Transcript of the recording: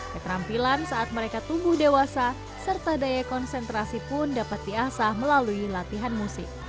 keterampilan saat mereka tumbuh dewasa serta daya konsentrasi pun dapat diasah melalui latihan musik